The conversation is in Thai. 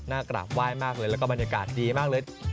หน้ากราบวายมากเลยแล้วก็บรรยากาศดีมากเลย